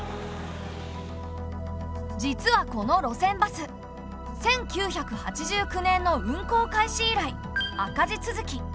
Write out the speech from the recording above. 実はこの路線バス１９８９年の運行開始以来赤字続き。